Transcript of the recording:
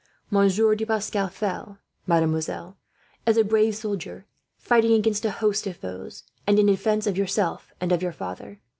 "Monsieur de Pascal fell, mademoiselle, as a brave soldier, fighting against a host of foes, and in defence of yourself and your father.